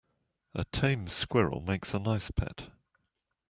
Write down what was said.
A tame squirrel makes a nice pet.